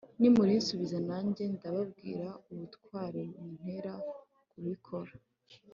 nimurinsubiza nanjye ndababwira ubutware buntera kubikora